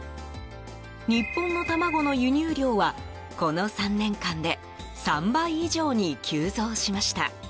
日本の卵の輸入量はこの３年間で３倍以上に急増しました。